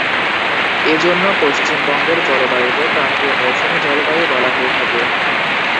এজন্য পশ্চিমবঙ্গের জলবায়ুকে ক্রান্তীয় মৌসুমী জলবায়ু বলা হয়ে থাকে।